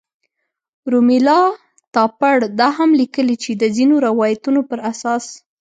رومیلا تاپړ دا هم لیکلي چې د ځینو روایتونو په اساس.